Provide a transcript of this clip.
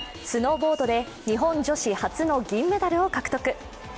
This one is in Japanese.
スノーボードで日本女子初の銀メダルを獲得。